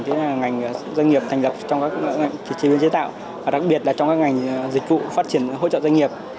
tức là ngành doanh nghiệp thành lập trong các ngành chế biến chế tạo và đặc biệt là trong các ngành dịch vụ phát triển hỗ trợ doanh nghiệp